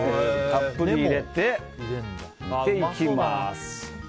たっぷり入れていきます。